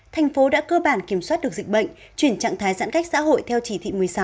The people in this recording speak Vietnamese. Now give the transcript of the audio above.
thành phố đã cơ bản kiểm soát được dịch bệnh chuyển trạng thái giãn cách xã hội theo chỉ thị một mươi sáu